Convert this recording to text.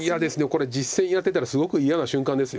これ実戦やってたらすごく嫌な瞬間です。